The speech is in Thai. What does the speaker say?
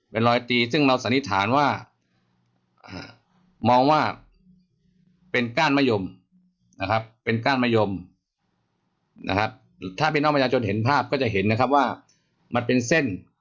เป็นรอยตีซึ่งเราสันนิษฐานว่ามองว่าเป็นก้านมะยมนะครับเป็นก้านมะยมนะครับถ้าพี่น้องประชาชนเห็นภาพก็จะเห็นนะครับว่ามันเป็นเส้น